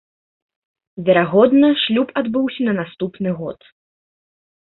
Верагодна, шлюб адбыўся на наступны год.